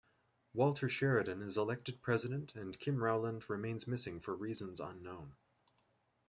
Walter Sheridan is elected President, and Kim Rowland remains missing for reasons unknown.